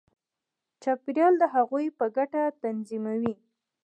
چاپېریال د هغوی په ګټه تنظیموي.